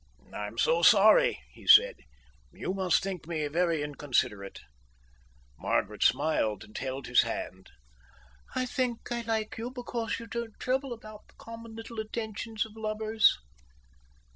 "I'm so sorry," he said. "You must think me very inconsiderate." Margaret smiled and held his hand. "I think I like you because you don't trouble about the common little attentions of lovers."